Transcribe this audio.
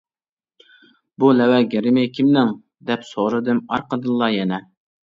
-بۇ لەۋ گىرىمى كىمنىڭ؟ -دەپ سورىدىم ئارقىدىنلا يەنە.